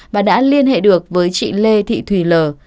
và đã liên hệ được với chị lê thị thùy lờ